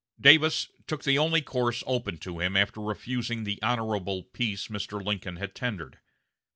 Davis took the only course open to him after refusing the honorable peace Mr. Lincoln had tendered.